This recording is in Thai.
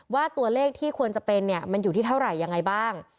ว่าตัวเลขที่ควรจะเป็นเนี่ยมันอยู่ที่เท่าไหร่ยังไงบ้าง